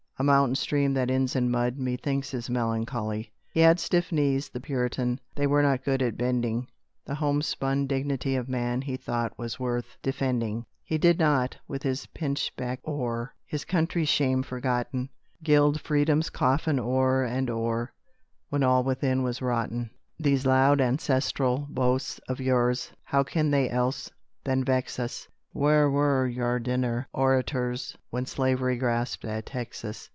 A mountain stream that ends in mud Methinks is melancholy. "He had stiff knees, the Puritan, That were not good at bending; The homespun dignity of man He thought was worth defending; He did not, with his pinchbeck ore, His country's shame forgotten, Gild Freedom's coffin o'er and o'er, When all within was rotten. "These loud ancestral boasts of yours, How can they else than vex us? Where were your dinner orators When slavery grasped at Texas?